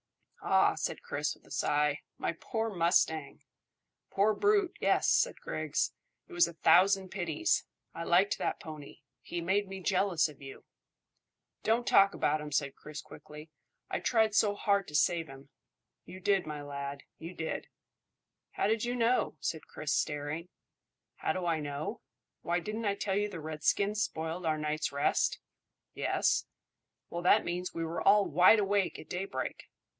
"Ah," said Chris, with a sigh. "My poor mustang!" "Poor brute, yes," said Griggs. "It was a thousand pities. I liked that pony. He made me jealous of you." "Don't talk about him," said Chris quickly. "I tried so hard to save him." "You did, my lad; you did." "How do you know?" said Chris, staring. "How do I know? Why, didn't I tell you the redskins spoiled our night's rest?" "Yes." "Well, that means we were all wide awake at daybreak."